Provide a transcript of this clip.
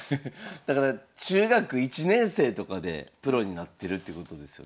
だから中学１年生とかでプロになってるってことですよね？